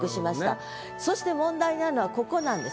そして問題なのはここなんです。